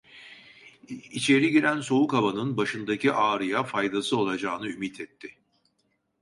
İçeri giren soğuk havanın başındaki ağrıya faydası olacağını ümit etti.